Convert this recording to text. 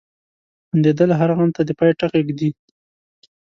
• خندېدل هر غم ته د پای ټکی ږدي.